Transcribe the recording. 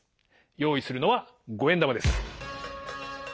用意するのは５円玉です。